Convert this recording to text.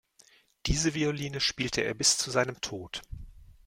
Diese Violine spielte er bis zu seinem Tod.